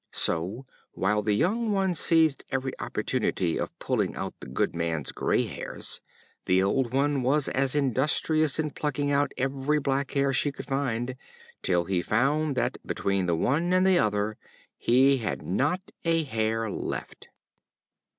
So, while the young one seized every opportunity of pulling out the good man's gray hairs, the old one was as industrious in plucking out every black hair she could find, till he found that, between the one and the other, he had not a hair left.